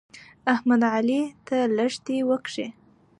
احمد؛ علي ته لښتې وکښې.